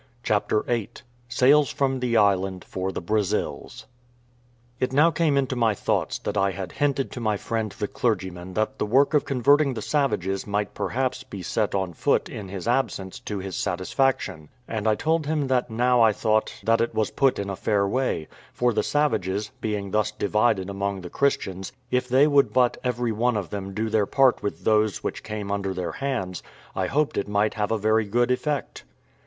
CHAPTER VIII SAILS FROM THE ISLAND FOR THE BRAZILS It now came into my thoughts that I had hinted to my friend the clergyman that the work of converting the savages might perhaps be set on foot in his absence to his satisfaction, and I told him that now I thought that it was put in a fair way; for the savages, being thus divided among the Christians, if they would but every one of them do their part with those which came under their hands, I hoped it might have a very good effect.